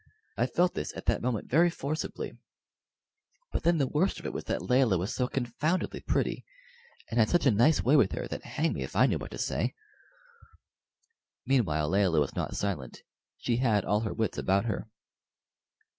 I felt this at that moment very forcibly; but then the worst of it was that Layelah was so confoundedly pretty, and had such a nice way with her, that hang me if I knew what to say. Meanwhile Layelah was not silent; she had all her wits about her.